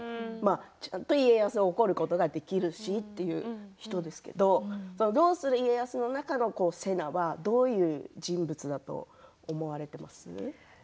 ちゃんと家康を怒ることができるし、という人ですけれども家康の中の瀬名はどういう人物だと思われていますか。